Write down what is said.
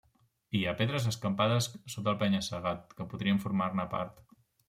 Hi ha pedres escampades a sota el penya-segat que podrien formar-ne part.